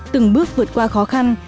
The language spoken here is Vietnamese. từng bước vượt qua khó khăn